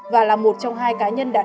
và là một trong hai cá nhân đạt